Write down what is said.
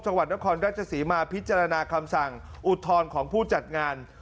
จังหวัดนครราชศรีมาพิจารณาคำสั่งอุทธรณ์ของผู้จัดงาน